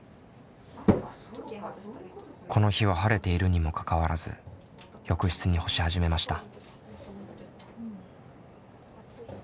この日は晴れているにもかかわらず浴室に干し始めました。